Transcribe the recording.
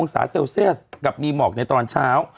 ศาเซลเซียสกับมีหมอกในตอนเช้า